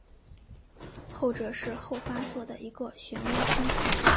后者是后发座的一个旋涡星系。